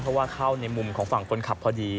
เพราะว่าเข้าในมุมของฝั่งคนขับพอดี